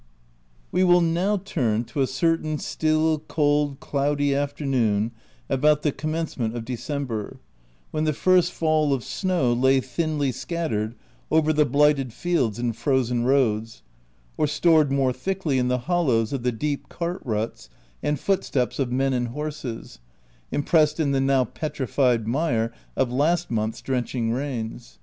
We will now turn to a certain still, cold, cloudy afternoon about the commencement of Decem ber, when the first fall of snow lay thinly scat tered over the blighted fields and frozen roads, or stored more thickly in the hollows of the deep cart ruts and footsteps of men and horses, impressed in the now petrified mire of last month's drenching rains.